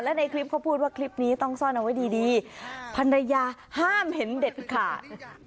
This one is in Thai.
และในคลิปเขาพูดว่าคลิปนี้ต้องซ่อนเอาไว้ดีดีพันรยาห้ามเห็นเด็ดขาด